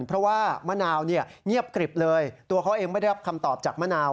เพราะว่ามะนาวเนี่ยเงียบกริบเลยตัวเขาเองไม่ได้รับคำตอบจากมะนาว